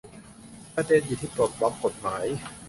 ประเด็นอยู่ที่ปลดล็อคกฎหมาย